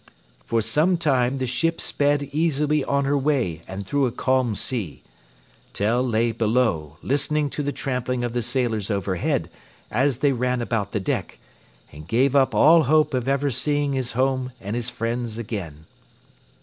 For some time the ship sped easily on her way and through a calm sea. Tell lay below, listening to the trampling of the sailors overhead, as they ran about the deck, and gave up all hope of ever seeing his home and his friends again.